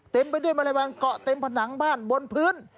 เต็มไปด้วยแมลงวันเกาะเต็มผนังบ้านบนพื้น